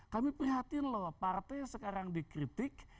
kami perhatikan loh partai yang sekarang dikritik